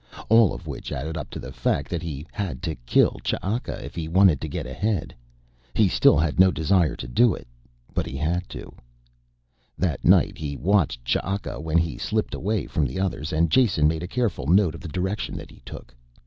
All of which added up to the fact that he had to kill Ch'aka if he wanted to get ahead. He still had no desire to do it, but he had to. That night he watched Ch'aka when he slipped away from the others and Jason made a careful note of the direction that he took.